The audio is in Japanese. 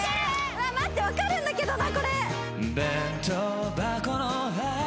うわっ待ってわかるんだけどな